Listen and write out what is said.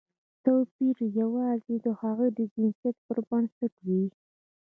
توپیر یوازې د هغوی د جنسیت پر بنسټ وي.